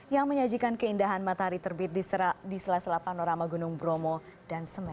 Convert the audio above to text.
yang menyajikan keindahan matahari terbit di sela sela panorama gunung bromo dan semen